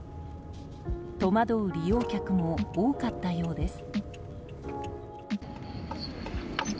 戸惑う利用客も多かったようです。